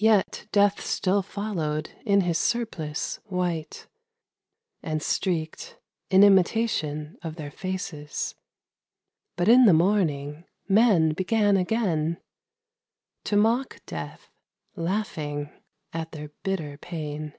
i I >eath still followed in his surplice, white And streaked, in imitation of their faces. ... Bui in the morning, men began again I 01 . bing .a their bitter pain.